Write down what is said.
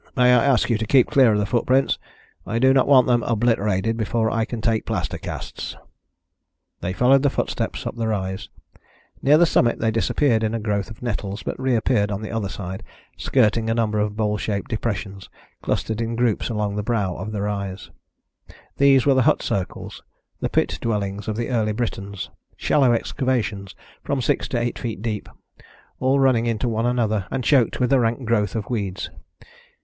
May I ask you to keep clear of the footprints? I do not want them obliterated before I can take plaster casts." They followed the footsteps up the rise. Near the summit they disappeared in a growth of nettles, but reappeared on the other side, skirting a number of bowl shaped depressions clustered in groups along the brow of the rise. These were the hut circles the pit dwellings of the early Britons, shallow excavations from six to eight feet deep, all running into one another, and choked with a rank growth of weeds.